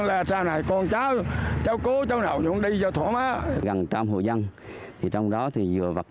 gần đến bốn tỷ vật